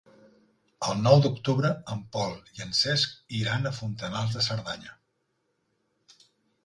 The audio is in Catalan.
El nou d'octubre en Pol i en Cesc iran a Fontanals de Cerdanya.